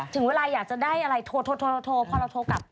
ถึงเวลาอยากจะได้อะไรโทรพอเราโทรกลับ